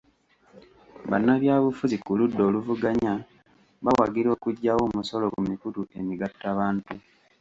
Bannabyabufuzi ku ludda oluvuganya bawagira okuggyawo omusolo ku mikutu emigattabantu.